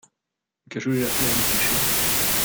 Cajoler la fleur du pêcher.